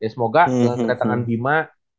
semoga dengan kerenan bima